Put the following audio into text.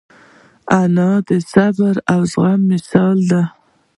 انا د صبر او زغم مثال ده